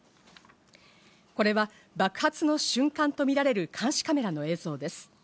これは爆発の瞬間とみられる監視カメラの映像です。